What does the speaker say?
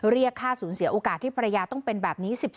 เรียกค่าสูญเสียโอกาสที่ภรรยาต้องเป็นแบบนี้